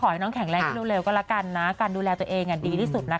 ให้น้องแข็งแรงขึ้นเร็วก็แล้วกันนะการดูแลตัวเองดีที่สุดนะคะ